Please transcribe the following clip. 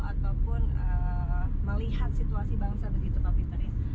ataupun melihat situasi bangsa begitu pak peter ini